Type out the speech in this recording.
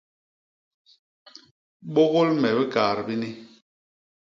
Bôgôl me bikaat bini!